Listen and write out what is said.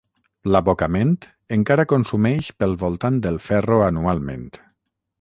L'abocament encara consumeix pel voltant del ferro anualment.